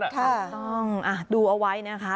ถูกต้องดูเอาไว้นะคะ